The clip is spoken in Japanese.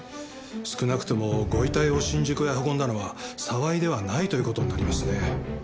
少なくともご遺体を新宿へ運んだのは澤井ではないという事になりますね。